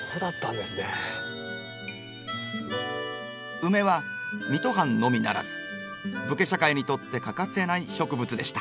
ウメは水戸藩のみならず武家社会にとって欠かせない植物でした。